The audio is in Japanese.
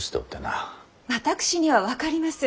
私には分かります。